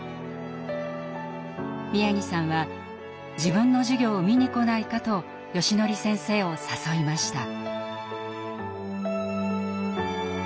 宮城さんは自分の授業を見に来ないかとよしのり先生を誘いました。